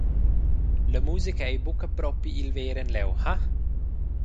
La musica ei buca propi il ver en leu, ha?